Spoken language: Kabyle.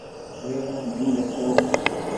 Bɣiɣ ad neddu d asawen.